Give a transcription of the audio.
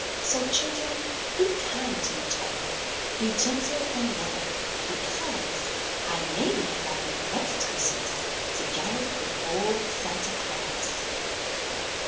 So children, be kind to each other, Be gentle and loving because I may be invited next Christmas To gallop with old Santa Claus.